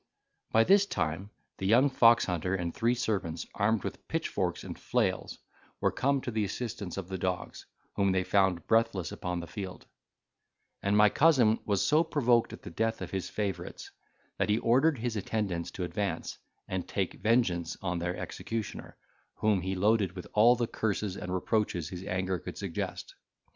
By this time, the young foxhunter and three servants, armed with pitchforks and flails, were come to the assistance of the dogs, whom they found breathless upon the field; and my cousin was so provoked at the death of his favourites, that he ordered his attendants to advance, and take vengeance on their executioner, whom he loaded with all the curses and reproaches his anger could suggest.